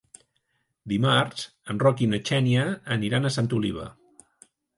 Dimarts en Roc i na Xènia aniran a Santa Oliva.